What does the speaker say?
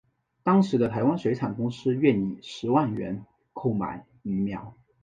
当时的台湾水产公司愿以十万元购买鱼苗。